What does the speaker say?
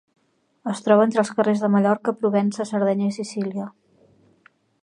Es troba entre els carrers de Mallorca, Provença, Sardenya i Sicília.